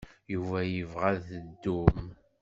Yuba yebɣa ad teddum.